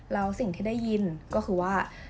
แล้วสิ่งที่ได้ยินก็คือว่า